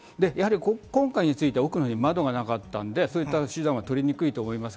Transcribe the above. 今回については、奥に窓がなかったので、そういった手段はとりにくいと思います。